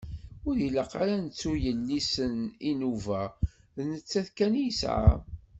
Ur ilaq ad nettu yelli-s n inuba, d nettat kan i yesɛa.